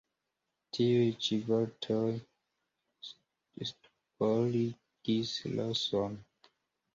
Tiuj ĉi vortoj stuporigis Roson.